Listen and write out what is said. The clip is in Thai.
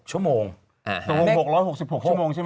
๖๖๖ชั่วโมงใช่ไหม